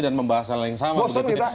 dan membahas hal yang sama